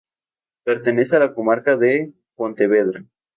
Pertenece a la comarca de Pontevedra.